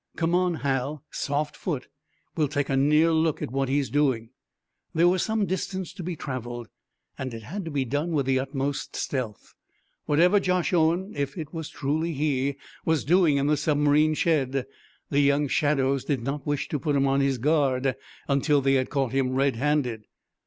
Come on, Hal soft foot! We'll take a near look at what he's doing." There was some distance to be traveled, and it had to be done with the utmost stealth. Whatever Josh Owen if it was truly he was doing in the submarine shed, the young shadows did not wish to put him on his guard until they had caught him red handed.